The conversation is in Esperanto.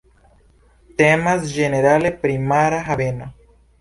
Temas ĝenerale pri mara haveno.